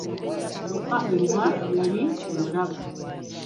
Kyokka embwa yali emulaba.